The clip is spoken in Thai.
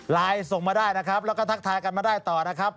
ส่งมาได้นะครับแล้วก็ทักทายกันมาได้ต่อนะครับ